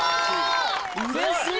うれしい！